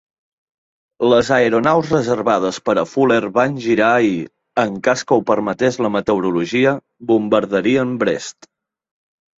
Les aeronaus reservades per a Fuller van girar i, en cas que ho permetés la meteorologia, bombardarien Brest.